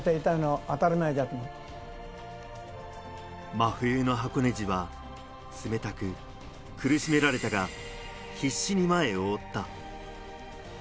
真冬の箱根路は冷たく、苦しめられたが、必死に前を追った。